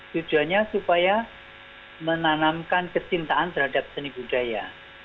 tujuannya supaya menanamkan kecintaan terhadap seni budaya